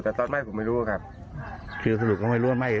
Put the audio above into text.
แต่ตอนไหม้ผมไม่รู้ครับคือสรุปก็ไม่รู้ว่าไม่